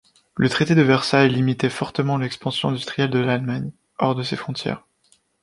Le traité de Versailles limitait fortement l'expansion industrielle de l'Allemagne hors de ses frontières.